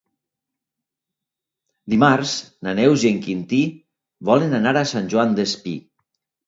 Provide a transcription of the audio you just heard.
Dimarts na Neus i en Quintí volen anar a Sant Joan Despí.